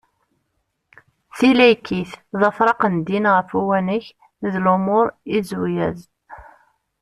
Tilaykit d afraq n ddin ɣef uwanek d lumuṛ izuyaz.